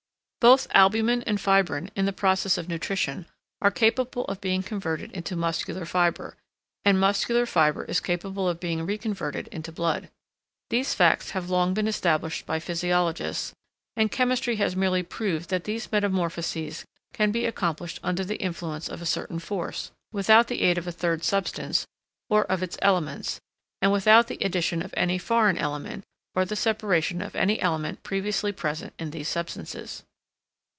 Both albumen and fibrine, in the process of nutrition, are capable of being converted into muscular fibre, and muscular fibre is capable of being reconverted into blood. These facts have long been established by physiologists, and chemistry has merely proved that these metamorphoses can be accomplished under the influence of a certain force, without the aid of a third substance, or of its elements, and without the addition of any foreign element, or the separation of any element previously present in these substances.